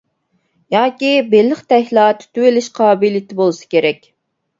ياكى بېلىقتەكلا تۇتۇۋېلىش قابىلىيىتى بولسا كېرەك!